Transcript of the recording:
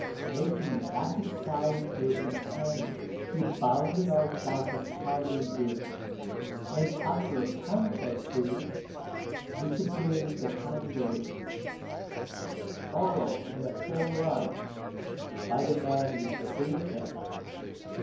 Making a rapid sign to his companion, he bounded off like a startled deer; and, after a plunge or two, disappeared behind the ridge followed in full run by the man with the wheelbarrow!